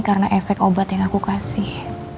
karena efek obat yang aku kasih